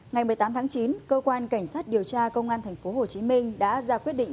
ngày một mươi tám tháng chín cơ quan cảnh sát điều tra công an tp hcm đã ra quyết định